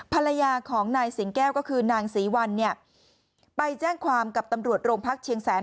ภรรยาของนายสิงแก้วก็คือนางศรีวัลเนี่ยไปแจ้งความกับตำรวจโรงพักเชียงแสน